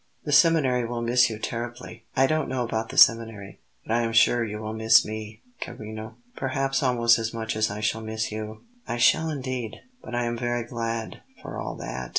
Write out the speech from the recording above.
"The seminary will miss you terribly." "I don't know about the seminary, but I am sure you will miss me, carino; perhaps almost as much as I shall miss you." "I shall indeed; but I am very glad, for all that."